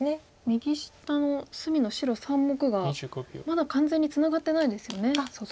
右下の隅の白３目がまだ完全にツナがってないですよね外と。